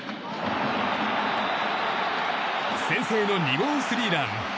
先制の２号スリーラン。